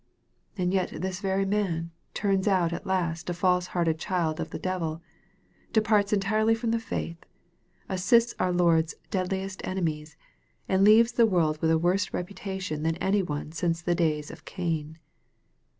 And yet this very man turns out at last a false hearted child of the devil departs entirely from the faith assists our Lord's deadliest enemies, and leaves the world with a worse reputation than any one since the days of Cain.